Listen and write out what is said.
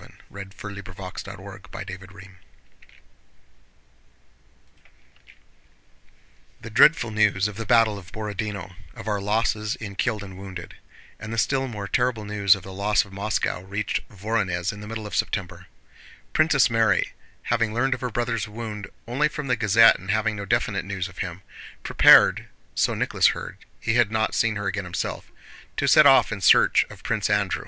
It made him afraid. CHAPTER VII The dreadful news of the battle of Borodinó, of our losses in killed and wounded, and the still more terrible news of the loss of Moscow reached Vorónezh in the middle of September. Princess Mary, having learned of her brother's wound only from the Gazette and having no definite news of him, prepared (so Nicholas heard, he had not seen her again himself) to set off in search of Prince Andrew.